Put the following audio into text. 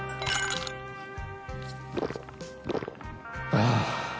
ああ！